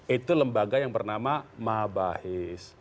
itu lembaga yang bernama mabahis